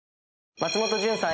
松本潤さん